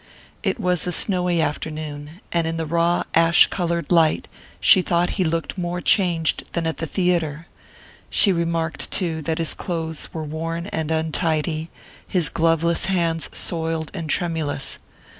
It was a snowy afternoon, and in the raw ash coloured light she thought he looked more changed than at the theatre. She remarked, too, that his clothes were worn and untidy, his gloveless hands soiled and tremulous.